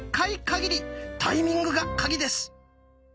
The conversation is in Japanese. タイミングが鍵です！